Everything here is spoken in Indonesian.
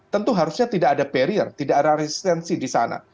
tentu harusnya tidak ada barrier tidak ada resistensi di sana